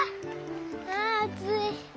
ああつい。